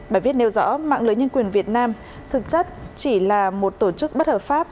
bài viết nêu rõ mạng lưới nhân quyền việt nam thực chất chỉ là một tổ chức bất hợp pháp